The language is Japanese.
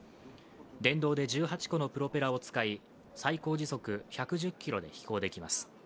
電動で１８個のプロペラを使い最高時速１１０キロで飛行できます。